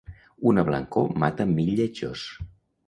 Una blancor mata mil lletjors.